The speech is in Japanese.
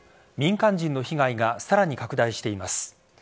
民間人の被害がさらに拡大しています。